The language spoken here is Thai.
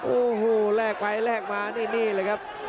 โอ้โหแลกไปแลกมานี่เลยครับ